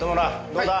どうだ？